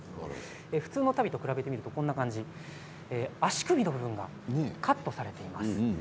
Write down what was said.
普通の足袋と比べてみると足首の部分がカットされています。